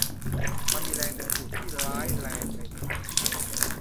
มันมีแรงดึงดูดที่ร้ายแรงในสถานที่นั้น